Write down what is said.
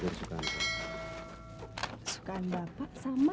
ini bu pesangannya